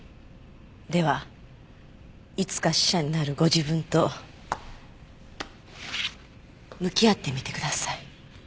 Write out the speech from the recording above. ではいつか死者になるご自分と向き合ってみてください。